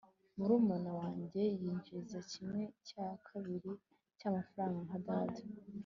murumuna wanjye yinjiza kimwe cya kabiri cyamafaranga nka data